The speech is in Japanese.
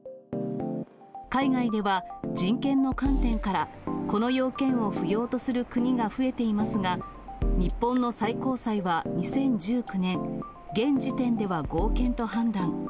海外では人権の観点から、この要件を不要とする国が増えていますが、日本の最高裁は２０１９年、現時点では合憲と判断。